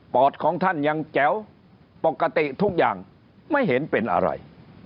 อดของท่านยังแจ๋วปกติทุกอย่างไม่เห็นเป็นอะไร